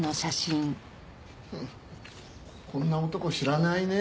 フッこんな男知らないね。